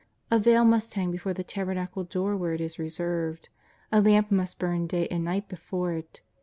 A veil must hang before the tabernacle door where It is reserved, a lamp must burn day and night before it.